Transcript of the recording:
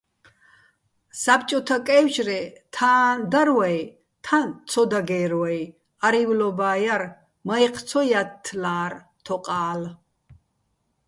საბჭოთაკეჲვშრე თან დარ ვაჲ, თან ცო დაგერ ვაჲ, არი́ვლობა́ ჲარ, მაჲჴი̆ ცო ჲათთლა́რ თოყა́ლ.